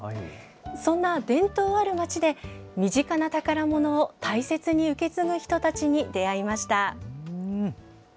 そんな伝統ある町で、身近な宝物を大切に受け継ぐ人たちに出会いました。